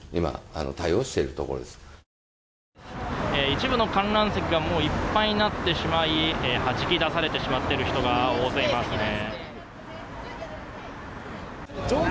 一部の観覧席がもういっぱいになってしまいはじき出されてしまっている人が大勢いますね。